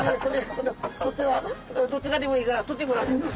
どっちからでもいいから取ってごらん。